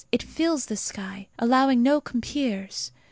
It fills the sky, allowing no compeers.